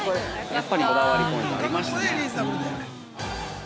◆やっぱりこだわりポイント、ありましたね。